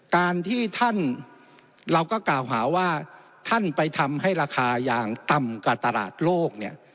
การที่ท่านเราก็กล่าวหาว่าท่านไปทำให้ราคายางต่ำกว่าตลาดโลกเนี่ย